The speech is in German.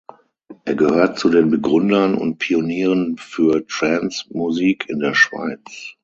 Er gehört zu den Begründern und Pionieren für Trance-Musik in der Schweiz.